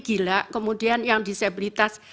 gila kemudian yang disabilitas